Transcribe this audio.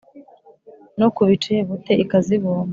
No ku bicebute ikazibumba: